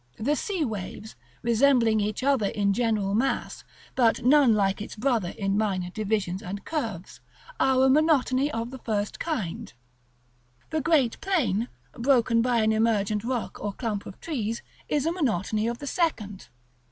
The sea waves, resembling each other in general mass, but none like its brother in minor divisions and curves, are a monotony of the first kind; the great plain, broken by an emergent rock or clump of trees, is a monotony of the second.